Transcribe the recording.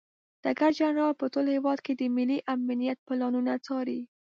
ډګر جنرال په ټول هیواد کې د ملي امنیت پلانونه څاري.